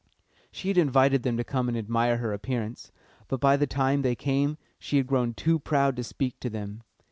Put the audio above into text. She had invited them to come and admire her appearance, but by the time they came she had grown too proud to speak to them.